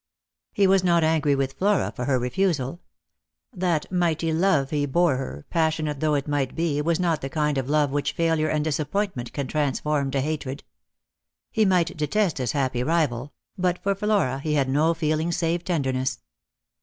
He was not angry with Flora for her refusal. That mighty love he bore her, passionate though it might be, was not the kind of love which failure and disappointment can transform to hatred. He might detest his happy rival, but for Flora he had no feeling save tenderness.